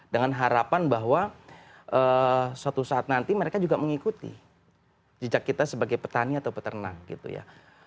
dengan harapan bahwa suatu saat nanti mereka juga mengikuti jejak kita sebagai petani atau peternak gitu ya